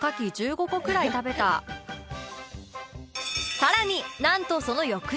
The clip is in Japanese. さらになんとその翌日